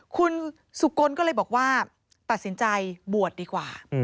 คุณสุกลก็เลยบอกว่าตัดสินใจบวชดีกว่า